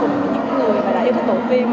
cùng những người đã yêu thích bộ phim